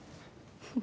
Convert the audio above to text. フフ。